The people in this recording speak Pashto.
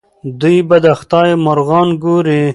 دوی به د خدای مرغان ګوري.